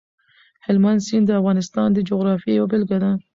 هلمند سیند د افغانستان د جغرافیې یوه بېلګه ده.